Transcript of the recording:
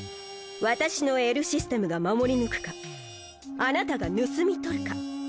私のＬ・システムが守り抜くかあなたが盗み取るか。